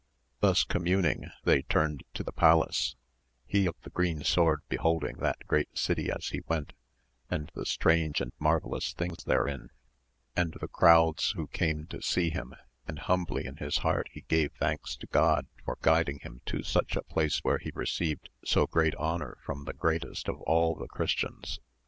Thus communing they turned to the palace, he of the green sword beholding that great city as he went, and the strange and marvellous things therein, and the crowds who came to see him, and humbly in his heart he gave thanks to God for guiding him to such a place where he received so great honour from the greatest of all the Christians.